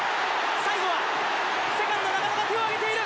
最後はセカンド、中野が手を上げている。